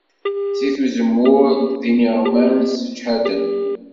Zzit uzemmur d iniɣman sseǧhaden.